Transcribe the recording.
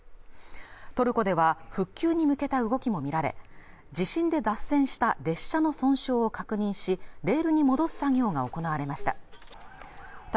トルコでは復旧に向けた動きも見られ地震で脱線した列車の損傷を確認しレールに戻す作業が行われました